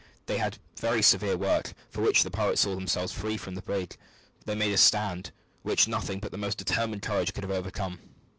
They had very severe work, for when the pirates saw themselves free from the brig they made a stand, which nothing but the most determined courage could have overcome.